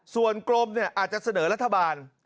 ส่วนกรมอาจจะเสนอรัฐบาล